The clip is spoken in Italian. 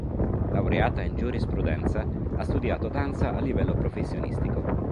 Laureata in giurisprudenza, ha studiato danza a livello professionistico.